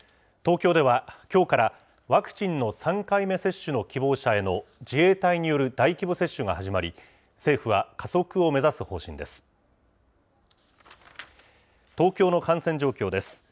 東京ではきょうから、ワクチンの３回目接種の希望者への自衛隊による大規模接種が始まり、政府は加速を目指す方針です。